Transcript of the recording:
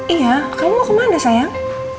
iya kamu mau kemana sayang